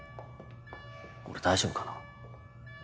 俺大丈夫かな？